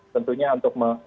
tentunya untuk menurunkannya